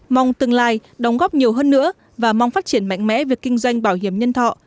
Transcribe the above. mong tương lai đóng góp nhiều hơn nữa và mong phát triển mạnh mẽ việc kinh doanh bảo hiểm nhân thọ